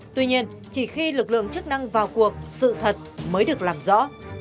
tuy nhiên chỉ khi lực lượng chức năng vào cuộc sự thật mới được làm rõ